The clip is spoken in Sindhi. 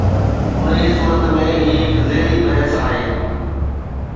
انهي صورت ۾، هي هڪ ذيلي بحث آهي.